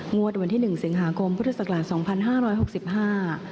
วันที่หนึ่งสิงหาคมพุทธศักราชสองพันห้าร้อยหกสิบห้า